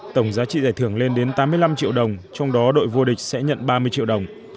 tổng giá trị giải thưởng lên đến tám mươi năm triệu đồng trong đó đội vô địch sẽ nhận ba mươi triệu đồng